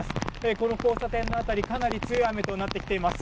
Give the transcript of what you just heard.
この交差点の辺り、かなり強い雨となってきています。